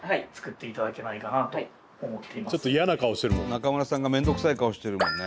中村さんが面倒くさい顔してるもんね。